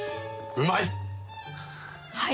うまい！